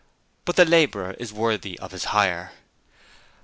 But the Labourer is worthy of his hire.